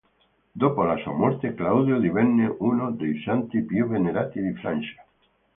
Dopo la sua morte, Claudio divenne uno dei santi più venerati di Francia.